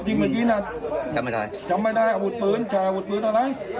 จริงไม่จริงนะจำไม่ได้จำไม่ได้อาวุธปืนอาวุธปืนอะไร